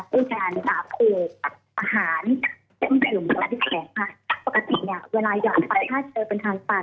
พูดจากอาหารเต็มถึงเวลาที่แขกค่ะปกติเนี้ยเวลาอยากไปถ้าเจอเป็นทางตัน